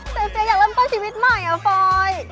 แต่เสียอยากเริ่มต้นชีวิตใหม่อ่ะฟอย